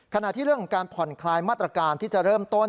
ขณะที่เรื่องของการผ่อนคลายมาตรการที่จะเริ่มต้น